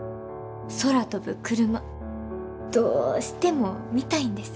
空飛ぶクルマどうしても見たいんです。